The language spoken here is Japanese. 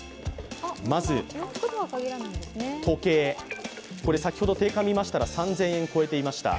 まずは時計、先ほど定価を見ましたら３０００円を超えています。